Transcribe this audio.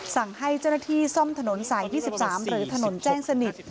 สั่งให้เจ้าหน้าที่ซ่อมถนนสาย๒๓หรือถนนแจ้งสนิท